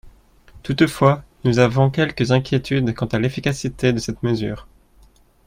Toutefois, nous avons quelques inquiétudes quant à l’efficacité de cette mesure.